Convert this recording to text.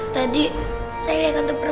behadah yang diam